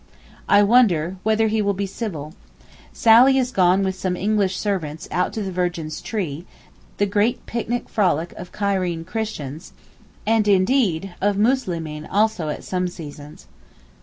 I wonder whether he will be civil. Sally is gone with some English servants out to the Virgin's tree, the great picnic frolic of Cairene Christians, and, indeed, of Muslimeen also at some seasons.